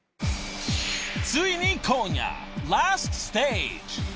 ［ついに今夜ラストステージ］